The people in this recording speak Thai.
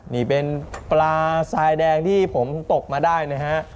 นี่เป็นปลาทรายแดงที่ผมตกมาได้นะฮะ